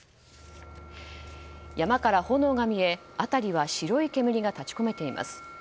山から炎が見え辺りは白い煙が立ち込めています。